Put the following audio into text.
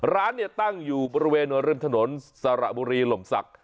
ร้านตั้งอยู่บริเวณนวริมถนนสาระบุรีลมศักดิ์